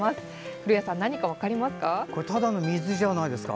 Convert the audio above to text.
古谷さん、何か分かりますか？